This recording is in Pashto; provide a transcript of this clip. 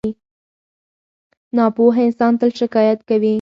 • ناپوهه انسان تل شکایت کوي.